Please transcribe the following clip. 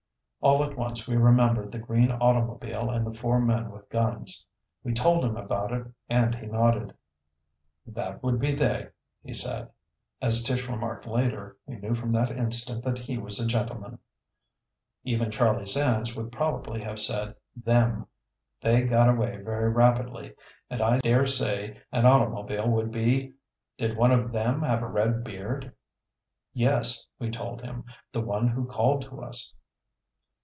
All at once we remembered the green automobile and the four men with guns. We told him about it and he nodded. "That would be they," he said. As Tish remarked later, we knew from that instant that he was a gentleman. Even Charlie Sands would probably have said "them." "They got away very rapidly, and I dare say an automobile would be Did one of them have a red beard?" "Yes," we told him. "The one who called to us."